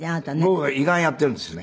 僕は胃がんやってるんですよね。